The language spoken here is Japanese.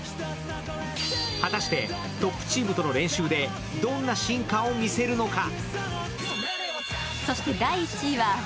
果たしてトップチームとの練習でどんな進化を見せるのか。